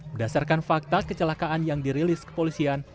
berdasarkan fakta kecelakaan yang dirilis kepolisian